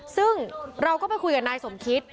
ซึ่งเราก็ไปคุยกับนายสมคิต